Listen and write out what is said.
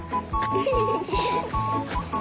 フフフフフ。